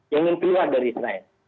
yang ingin keluar dari israel